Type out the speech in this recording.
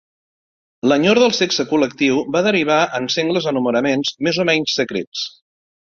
L'enyor del sexe col·lectiu va derivar en sengles enamoraments més o menys secrets.